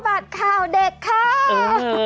บัดข่าวเด็กค่ะ